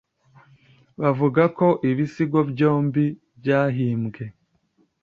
bavuga ko ibisigo byombi byahimbwe